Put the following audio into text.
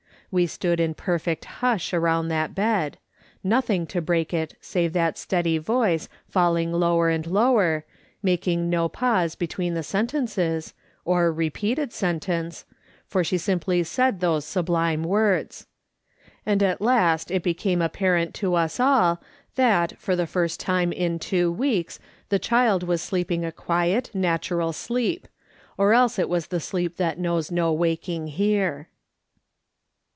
We stood in perfect hush around that bed — nothing to break it save that steady voice falling lower and lower, making no pause between the sentences, or repeated sentence, for she simply said those sublime words. And at last it became apparent to us all tliat for the first time in two weeks the child was sleeping a quiet, natural sleep, or else it was the sleep that knows no waking here.